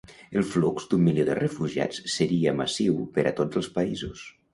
El flux d'un milió de refugiats seria massiu per a tots els països.